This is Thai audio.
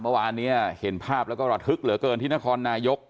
เมื่อวานนี้เห็นภาพแล้วก็ระทึกเหลือเกินที่นครนายก